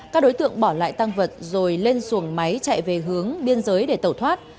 các đối tượng bỏ lại tăng vật rồi lên xuồng máy chạy về hướng biên giới để tẩu thoát